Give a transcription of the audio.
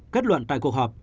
kết luận tại cuộc họp